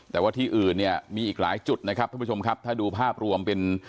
แต่ว่าที่อื่นเนี่ยมีอีกหลายจุดนะครับท่านผู้ชมครับถ้าดูภาพรวมเป็น